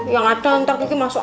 yang ada nanti kiki masuk